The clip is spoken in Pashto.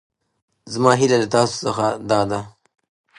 زما هېله له تاسو څخه دا ده.